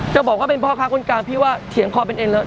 จะบอกว่าเป็นพ่อค้าคนกลางพี่ว่าเถียงคอเป็นเอ็นเลย